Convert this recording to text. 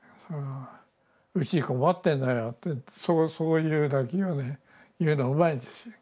「うち困ってんのよ」ってそういう泣きをね言うのうまいんですよ。